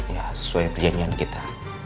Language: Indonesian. ya sesuai perjanjian kita